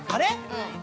◆うん。